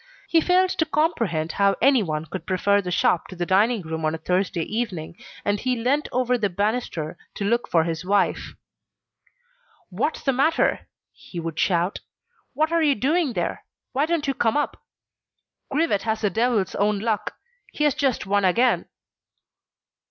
He failed to comprehend how anyone could prefer the shop to the dining room on a Thursday evening, and he leant over the banister, to look for his wife. "What's the matter?" he would shout. "What are you doing there? Why don't you come up? Grivet has the devil's own luck. He has just won again."